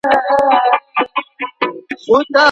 د نړۍ ټول لوی کتابونه لومړی په لاس لیکل سوي دي.